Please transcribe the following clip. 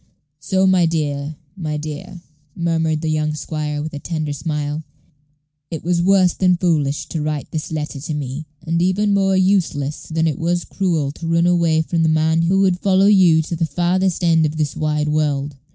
So, my dear, my dear," murmured the young squire, with a tender smile, "it was worse than foolish to write this letter to me, and even more useless than it was cruel to run away from the man who would follow you to the farthest end of this wide world."